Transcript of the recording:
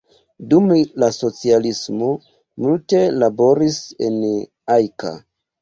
Dum la socialismo multe laboris en Ajka.